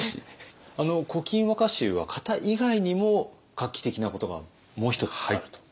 あの「古今和歌集」は型以外にも画期的なことがもう一つあると。